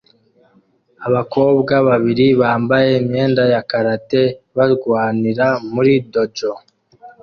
Abakobwa babiri bambaye imyenda ya karate barwanira muri dojo